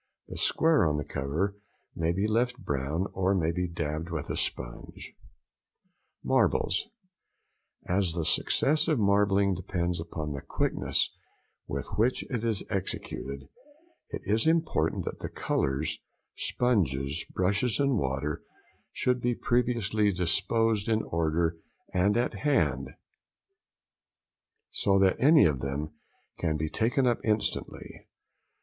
The square on the cover may be left brown or may be dabbed with a sponge. Marbles.—As the success of marbling depends upon the quickness with which it is executed, it is important that the colours, sponges, brushes and water, should be previously disposed in order and at hand, so that any of them can be taken up instantly.